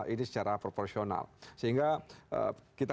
ini secara proporsional sehingga kita